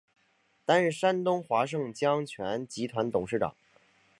担任山东华盛江泉集团董事长。